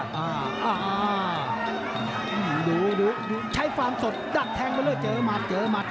ดูใช้ความสดดัดแทงไปเลยเจอมัดเจอมัด